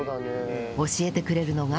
教えてくれるのが